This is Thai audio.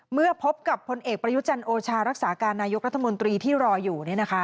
เมื่อพบกับพลเอกประยุจันทร์โอชารักษาการนายกรัฐมนตรีที่รออยู่